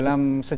ya gini loh